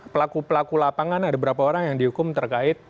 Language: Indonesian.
pelaku pelaku lapangan ada berapa orang yang dihukum terkait